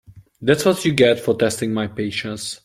That’s what you get for testing my patience.